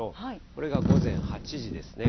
これが午前８時ですね。